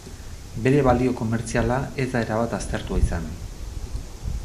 Bere balio komertziala ez da erabat aztertua izan.